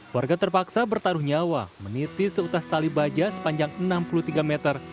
warga terpaksa bertaruh nyawa meniti seutas tali baja sepanjang enam puluh tiga meter